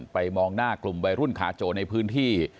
มองหน้ากลุ่มวัยรุ่นขาโจในพื้นที่